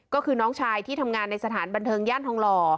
ก็คือน้องชายที่ทำงานในสถานบันเทิงย่านทองหล่อ